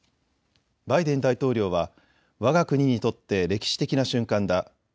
バイデン大統領はわが国にとって歴史的な瞬間だ。